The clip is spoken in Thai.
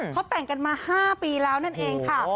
เขาแต่งกันมา๕ปีแล้วนั่นเองค่ะ